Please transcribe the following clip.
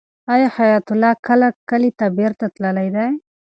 آیا حیات الله کله کلي ته بېرته تللی دی؟